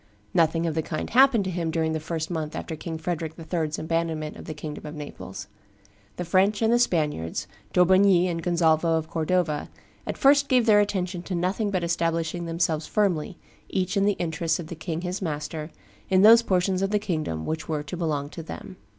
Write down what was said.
Nothing of the kind happened to him during the first month after King Frederick III.'s abandonment of the kingdom of Naples. The French and the Spaniards, D'Aubigny and Gonzalvo of Cordova, at first gave their attention to nothing but establishing themselves firmly, each in the interests of the king his master, in those portions of the kingdom which were to belong to them.